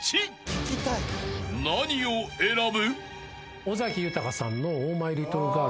［何を選ぶ？］